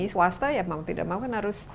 swasta ya mau tidak mau kan harus